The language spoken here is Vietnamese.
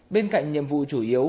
bên cạnh nhiệm vụ chủ yếu